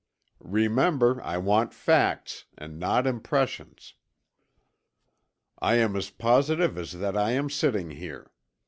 "Remember I want facts, and not impressions." "I am as positive as that I am sitting here.